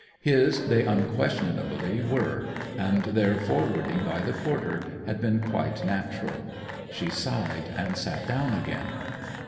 His they unquestionably were; and their forwarding by the porter had been quite natural. She sighed and sat down again.